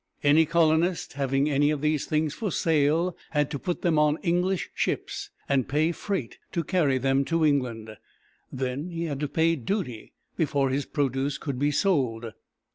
Any colonist having any of these things for sale had to put them on English ships, and pay freight to carry them to England. Then he had to pay duty before his produce could be sold.